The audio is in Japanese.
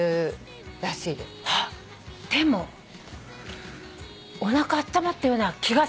でもおなかあったまったような気がする。